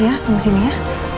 iya tunggu sini ya